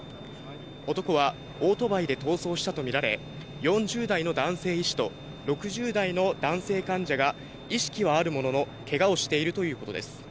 男はオートバイで逃走したと見られ、４０代の男性医師と６０代の男性患者が意識はあるものの、けがをしているということです。